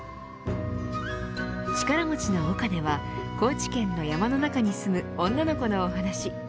ちからもちのおかねは高知県の山の中に住む女の子のお話。